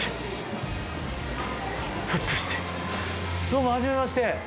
どうもはじめまして。